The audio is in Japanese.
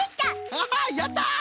ハハッやった！